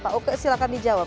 pak oke silahkan dijawab